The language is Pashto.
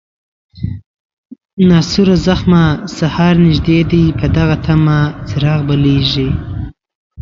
ناسوره زخمه، سهار نژدې دی په دغه طمه، چراغ بلیږي